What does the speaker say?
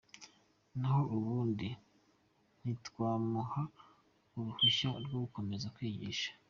Naho ubundi ntitwamuha uruhushya rwo gukomeza kwigisha.